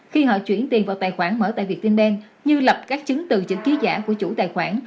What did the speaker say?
khi họ chuyển tiền vào tài khoản mở tại việt tin đen như lập các chứng từ chứng ký giả của chủ tài khoản